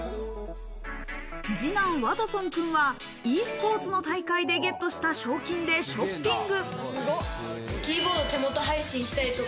二男・ワトソンくんはｅスポーツの大会でゲットした賞金でショッピング。